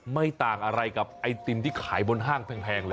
ไม่ต่างอะไรกับไอติมที่ขายบนห้างแพงเลย